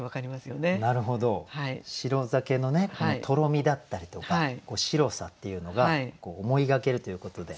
なるほど白酒のねとろみだったりとか白さっていうのが思い描けるということで。